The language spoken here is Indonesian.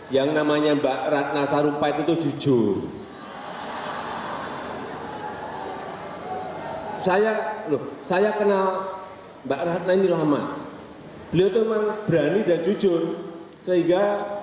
saya sampaikan apa adanya